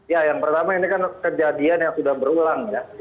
ya yang pertama ini kan kejadian yang sudah berulang ya